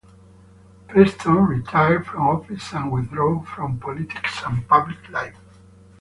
Preston retired from office and withdrew from politics and public life.